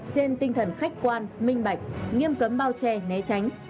trên tinh thần khách quan minh bạch nghiêm cấm bao che né tránh